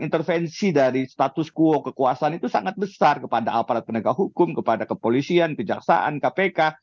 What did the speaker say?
intervensi dari status quo kekuasaan itu sangat besar kepada aparat penegak hukum kepada kepolisian kejaksaan kpk